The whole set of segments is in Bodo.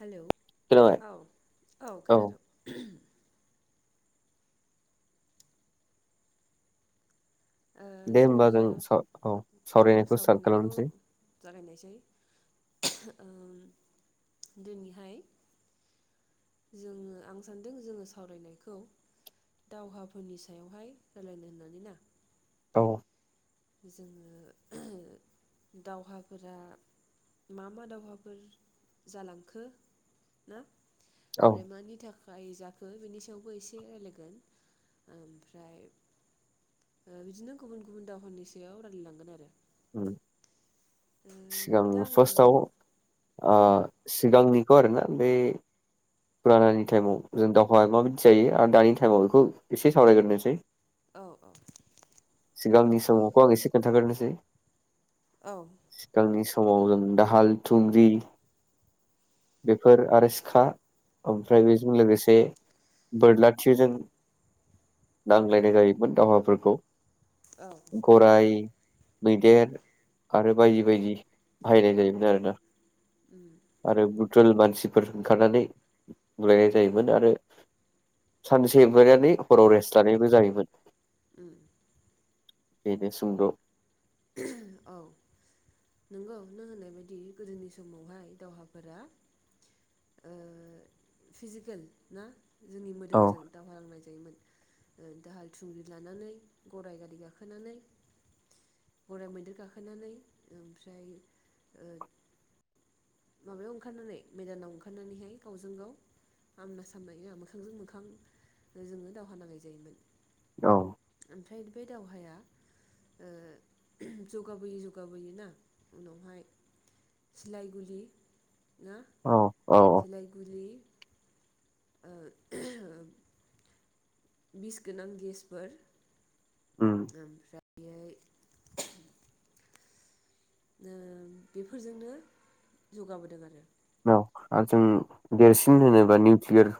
हेलौ खोनाबाय औ औ खोनादोंं ओ दे होमबा जों अब्ला साव औ सावरायनायखौ स्टार्ट खालामसै ओम दिनैहाय जोङो आं सान्दों जोङो सावरायनायखौ दावहाफोरनि सायावहाय रायलायनो होननानै ना औ जोङो दावहाफोरा मा मा दावहाफोर जालांखो ना औ ओमफ्राय मानि था खाय जाखो बेनि सायावबो एसे रायलायगोन ओमफ्राय ओ बिदिनो गुबुन गुबुन दावहानि सायाव रायलायलांगोन आरो उम सिगां ओ दा फार्स्टआव आङो ओ औ सिगांनि बेखौ आरो ना बे फुरानानि टाइमाव जों दावहाया माबायदि जायो आरो दानि टाइमाव बेखौ एसे सावरायग्रोनोसै औ औ सिगांनि समावखौ आं एसे खोन्थाग्रनोसै औ सिगांनि समाव जों दाहाल थुंग्रि बेफोर आरो सिखा ओमफ्राय बेजों लोगोसे बोरला थिरजों नांलायनाय जायोमोन दावहाफोरखौ औ गराइ मैदेर आरो उम बायदि बायदि बाहायनाय जायोमोन आरो ना उम आरो बुटल मानसिफोर ओंखारनानै बुलायनाय जायोमोन आरो सानसे बुलायनानै हराव रेस्ट लानायबो जायोमोन उम बेनोे सुंद' औ नंगौ नों होननाय बादि गोदोनि समावहाय दावहाफोरा ओ फिजिकेल ना जोंनि औ मोदोमजों दावहा नांनाय जायोमोन दाहाल थुंरि लानानै गराय गारि गाखोनानै गराइ मैदेर गाखोनानै ओमफ्राय ओ माबायाव ओंखारनानै मेदानाव ओंखारनानैहाय गावजों गाव आमना सामनाय मोखांजों मोखां जोङो दावहा नांनाय जायोमोन औ ओमफ्राय बै दावहाया ओ जौगाबोयि जौगाबोयोनो उनावहाय सिलाय गुलि ना औ औ सिलाइ गुलि ओ ओ बिस गोनां गेसफोर उम ओमफ्राय [unintelligible] उम बेफोरजोंनो जौगाबोदों आरो औ आरो जों देरसिन होनोबा निउक्लियार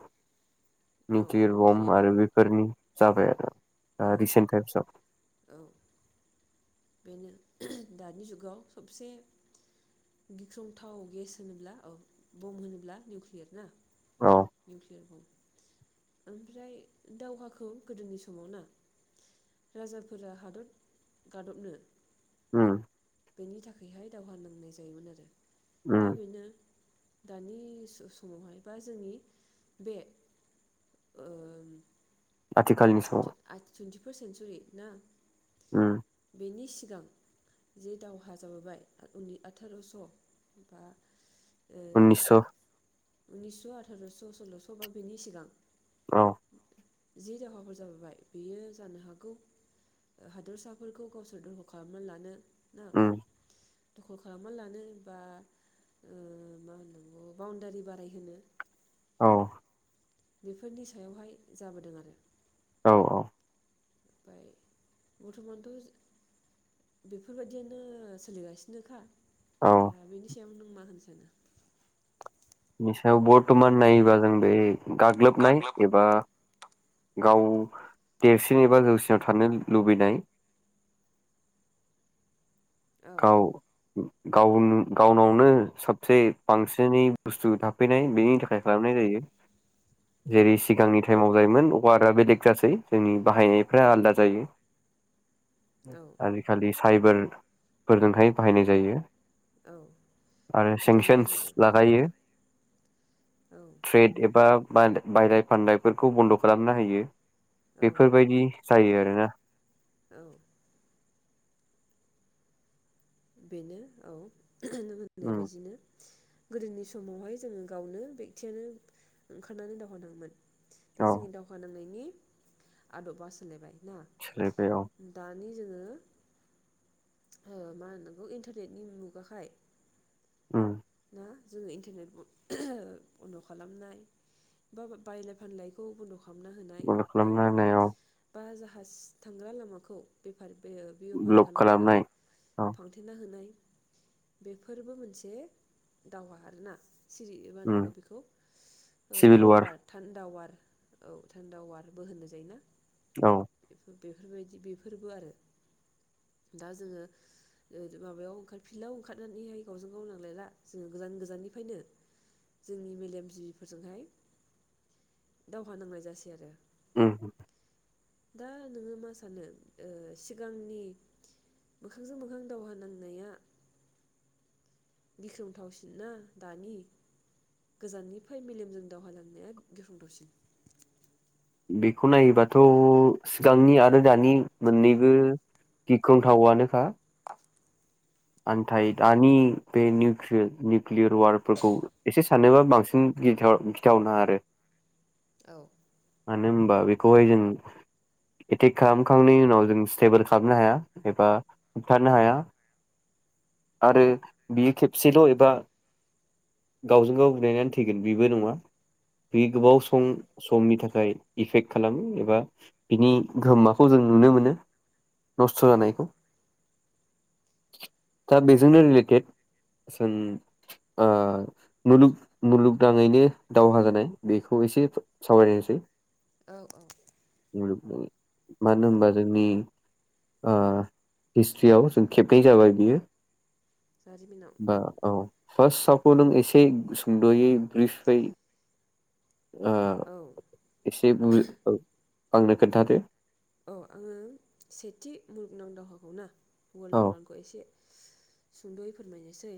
औ निथि बम निउक्लियार आरो बिफोरनि जाबाय आरो औ रिसेन्ट टाइमसआव औ बेनो दानि जुगाव सबसे गिख्रंथाव गेस होनोब्ला औ बम् होनोब्ला निउकलियार ना औ [unintelligible] ओमफ्राय दावहाखौ गोदोनि समाव ना राजाफोरा हादर गादबनो उम बेनि थाखायहाय दावहा नांनाय जायोमोन आरो दा उम बेनो दानि समावहाय बा जोंनि बे आथिखालनि समाव टुइन्टि फार्स्ट सेन्सुरि ना उम बेनि सिगां जे दावहा जाबोबाय उननि आथारस' बा उननिसस' उनैस' आथार'स' सल्ल' बा बिनि सिगां औ जि दावहा जाबोबाय बेयो जानो हागौ हादरसाफोरखौ गावसोर दरख' खालामनानै लानो ना उम दखल खालामना लानो बा मा होननौ बाउणडारि बारायहोनो औ बेफोरनि सायावहाय जाबोदों आरो औ औ ओमफ्राय बर्थमानथ' बेफोरबायदियानो सोलिगासिनोखा औ दा बेनि सायाव मा होननो सानदों नि सायाव बर्थमान नायोबा जों बे गाग्लोबनाय गाग्लोब एबा गाव देरसिन एबा जौसिनाव थानो लुबैनाय औ गाव गाव गावनावनो सबसे बांसिनै बुस्थु थाफैनाय बेनि थाखाय खालामनाय जायो औ जेरै सिगांनि टाइमाव वारआ जासै जोंनि बाहायनायफोरा आलादा जायो औ आजिखालि साइबार फोरजोंहाय बाहायनाय जायो औ आरो भिडिअ'नि सेंसन्स गेजेरजों लागायो औ ट्रेड एबा बा बायलाय फानलायफोरखौ बन्द' खालामनो हायो औ बेफोरबायदि जायो आरो ना औ बेनो औ नों होननाय उम बायदिनो गोदोनि समावहाय जोङो गावनो बेक्टेरियालनो ओंखारनानै दावहा नांगोन दा औ जोंनि दावहा नांनायनि आद'बा सोलाय लांबाय सोलायबाय औ ओं दानि जोङो मा नोंगौ इन्टारनेटनि मुगाखाय उम ना जोङो इन्टारनेट बन्द' खालामनाय बा बायलाय फानलायखौ बन्द' खालाम बन्द' खालामना होनाय औ [unintelligible] थांग्रा लामाखौ बेफार बे बेफार ब्लक खालामग्रा खालामनाय औ फांथेना होनाय बेफोरबो मोनसे दावहा आरोना सिरियै मा उम होनो बेखौ कल वार थान्दा वार औ थान्दा अवारबो होनजायोना औ बेफोरबायदि बेफोरबो आरो दा जोङो माबायाव ओंखार फिल्डआव ओंखारनानैहाय गावजों गाव नांलायला जोङो गोजान गोजाननिफ्रायनो जोंनि मेलेमजिबिफोरजोंहाय दावहा नांनाय जासै आरो उम दा नोङो मा सानो सिगांनि मोखांजों मोखां दावहा नांनाया गिख्रंथावसिन ना दानि गोजाननिफ्राय मेलेमजों दावहालांनाया गिख्रंथावसिन बेखौ नायोबाथ' सिगांनि आरो दानि मोननैबो गिख्रंथावनोखा नाथाय दानि बे निउक्लियर वारफोरखौ एसे सानोबा बांसिन गिथाव गिथावना आरो औ मानो होनबा बेखौहाय जों एटेक खालामखांनायनि उनाव जों स्टेबोल खालामनो हाया एबा होबथानो हाया आरो बियो खेबसेल' एबा गावजों गाव बुलायनानै थैगोन बेबो नङा बे गोबाव सम औ समनि थाखाय इफेक्ट खालामो एबा बिनि गोहोमाखौ जों नुनो मोनो नस्थ' औ जानायखौ [inaudible] दा बेजोंनो रिलेटेड जों ओ मुलुग मुलुगनाङैनो दावहा जानाय बेखौ एसे सावरायनोसै। औ औ मुलुगनि मानो होनबा जोंनि ओ हिस्ट्रियाव जों खेबनै जाबाय। बियो जारिमिनाव ओ उम औ फास्ताव खौ नों एसे सुंद'यै ब्रिफै आ औ एसे बु ओ आंनो खोन्थादो। औ आङो सेथि मुलुगनां दावहाखौ ना? वर्ल्ड औ वारखौ एसे सुंद'यै फोरमायनोसै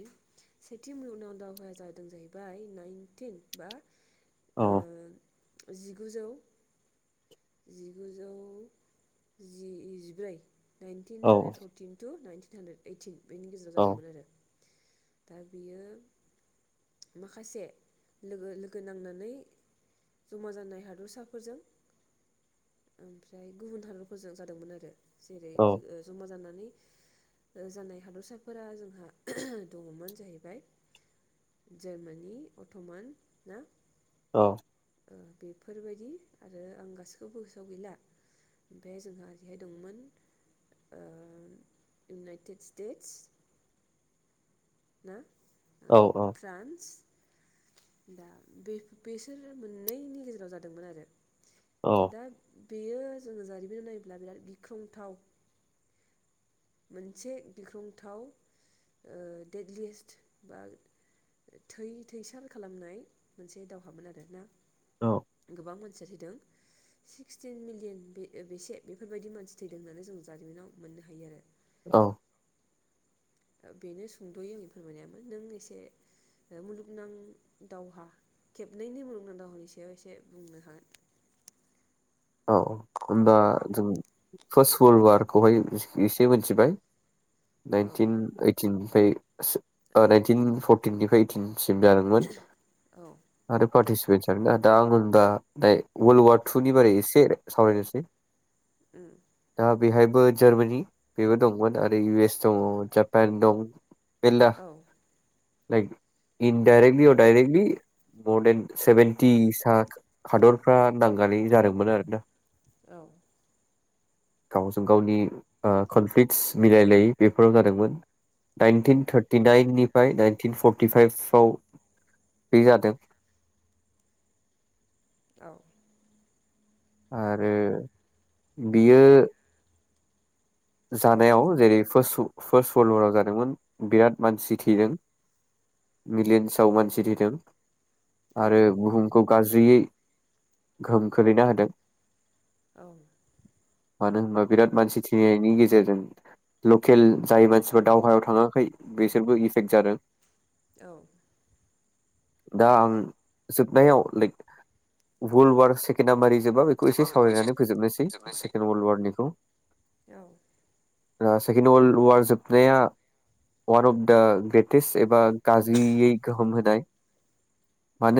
सेथि मुलुगनाव दावहाया जादों जाहैबाय नाइनटिन बा औ ओ जिगुजौ जिगुजौ जि जिब्रै नाइनतिन औ hundred fourteen to nineteen hundred eighteen बेनि गेजेराव औ जादोंमोन आरो दा बियो माखासे लोगो लोगो नांनानै जमा जानाय हादरसाफोरजों ओमफ्राय गुबुन हादरफोरजों जादोंमोन आरो। जेरै औ ओ जमा जाना जानाय हादरसाफोरा जोंहा दङमोन जाहैबाय जार्मानि अथमान ना औ बेफोरबायदि आरो आं गासिखौबो गोसोआव गैला ओमफ्राय जोंहा ओरैहाय दंमोन इउनाइटेड स्टेटस ना औ फ्रान्स दा बे बेसोर मोननैनि गेजेराव जादोंमोन आरो औ दा बेयो जोङो जारिमिन नायोब्ला बिराद गिख्रंथाव मोनसे गिख्रंथाव दडेटलिस्ट बा थै थैसार खालामनाय मोनसे दावहामोन आरोना। औ गोबां मान सिया थैदों सिक्सटिन मिलियन बेसे बेफोरबायदि मानसि थैदों होननानै जों जारिमिनाव मोननो हायो आरो। औ बेनो सुंद'यै आंनि फोरमायनायामोन नों एसे मुलुगनां दावहा खेबनैनि मुलुगनां दावहानि सायाव एसे बुंनो हागोन। औ औ होमबा जों फार्स्ट वर्ल वारखौहाय एसे मिथिबाय। औ नाइनटिन ओइटिन [unintelligible] ओ नाइनटिन फर इदटिननिफ्रायइ इथिं सिम जादोंमोन औ आरो पार्टिसिपेट जागोन ना दा आं होनबा वर्ल्ड ववार टुनि बारै एसे सावरायनोसै उम दा बेहायबो जार्मानि बेबो दंमोन आरो इउ एस दङ जापान दं बिला औ लाइक इनडाइरेक्टलि अडाइरेक्टलि मर देन सेभेनटि सा हादरफ्रा नांनानै जादोंमोन आरो दा औ गावजों गावनि ओ कनफ्लिक्स मिलायलायै बेफोराव जादोंमोन नाइनटिन थार्टिनाइननि ओमफ्राय नाइनटिन फरटिफाइभआव बे जादों औ आरो बियो जानायाव जेरै फार्स् फार्स्ट वर्ल्ड वाराव जादोंमोन बिराद मानसि थेदों मिलियन्सआव मानसि थैदों औ आरो बुहुमखौ गाज्रियै गोहोम खोलैना होदों औ मानो होनबा बिराद मानसि थैनाय नि गेजेरजों लकेल जाय मानसिफोर दावहायाव थाङाखै बिसोरबो इफेक्ट जादों औ दा आं जोबनायाव लाइक वर्ल्ड वार सेकेणामारि जोबा बेखौ एसे सावरायनानै फोजोबनोसै जोबनोसै सेकेणड वर्ल्ड वारनिखौ औ ओ सेकेणड वर्ल्ड वार जोबनाया अवान अफ दा ग्रेटेस्ट एबा गाज्रियै गोहोम होनाय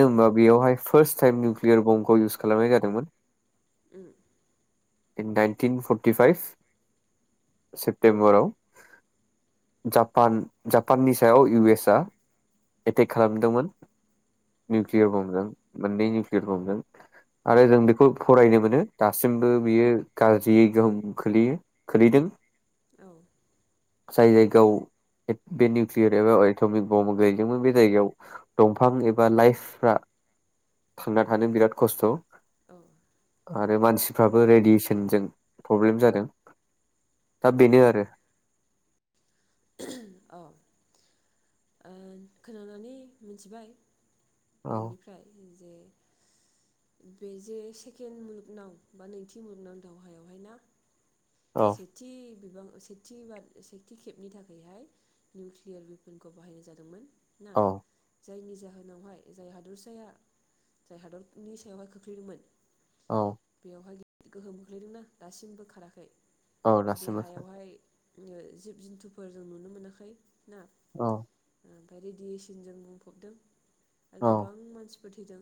औ होनबा बेयावहाय फार्स्ट टाइम निउकलियार बमखौ इउस खालामनाय जादोंमोन um in nineteen forty five सेप्तेम्बराव जापान जापाननि सायाव इउ एस आ एटेक खालामदोंमोन औ निउकलियार बमजों मोननै निउकलियार बमजों आरो जों बेखौ फरायनो मोनो दासिमबो बियो गाज्रियै गोहोम खोलैयो खोलैदों औ जाय जायगायाव बे निउकलियर एबा एट'मिक बम्ब गै बे जायगायाव दंफां एबा लाइफफ्रा थांना थानो बिराद खस्थ' औ आरो मानसिफ्राबो रेडियेसनजों प्रब्लेम जादों दा बेनो आरो ओ ओ खोनानानै मोनथिबाय औ नोंनिफ्राय जे बे जे सेकेणड मुलुगनाव बा नैथि मुलुगनां दावहायावहाय ना औ सेथि बिबां सेथि एबा सेथि खेबनि थाखायहाय निउक्लियार बेफोर खौ बाहायनाय जादोंमोन ना औ जायनि जाहोनावहाय जाय हादरसाया जाय हादरनि सायावहाय खोख्लैदोंमोन औ बेयावहाय गोहोम बोख्लैदोंना दासिमबो खाराखै औ बे दासिमबो हायावहाय जिब जुन्थुफोर जों नुनो मोनाखै ना औ ओमफ्राय रेडियेसनजों बुंफबदों औ आरो गोबां मानसि थैदों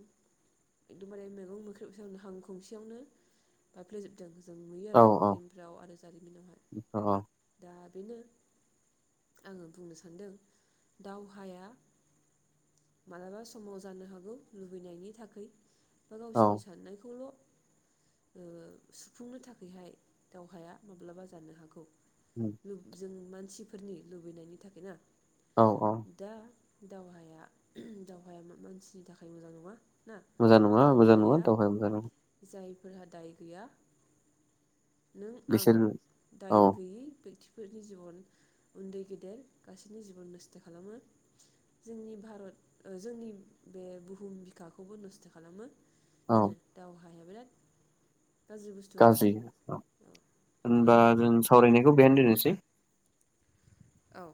एखदमबारे मैगं मोख्रबं हां खंसेयावनो बायफ्लेेजोबदों जों नुयो औ आरो औ फिल्मफ्राव आरो जारिमिनावहाय औ दा बेनो आङो बुंनो सानदों दावहाया मालाबा समाव जानो हागौ लुबैनायनि थाखै बा औ गावसिनि साननायखौल' ओ सुफुंनो थाखैहाय दावहाया माब्लाबा जानो हागौ उम, जों मानसिफोरनि लुबैनायनि थाखाय ना औ औ दा दावहाया दावहाया मानसिनि थाखाय मोजां नङा ना मोजां नङा मोजां नङा दावहाया मोजां नङा फोरहा दाय गैया नों आं बिसोर औ दाय गैयै बेकथि फोरनि जिबन उन्दै गेदेर गासैनि जिबन नस्थो खालामो जोंनि भारत ओ जोंनि बे बुहुम बिखाखौबो नस्थो खालामो औ बेनो दाउ हाया बिराद गाज्रि बुस्थु आरो गाज्रि औ होनबा जों सावरायनायखौ बेहायनो दोननोसै औ